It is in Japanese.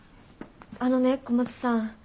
あのね小松さん。